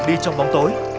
đi trong bóng tối